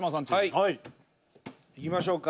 いきましょうか。